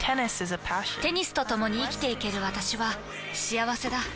テニスとともに生きていける私は幸せだ。